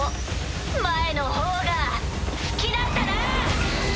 前の方が好きだったな！